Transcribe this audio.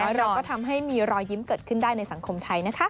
เราก็ทำให้มีรอยยิ้มเกิดขึ้นได้ในสังคมไทยนะคะ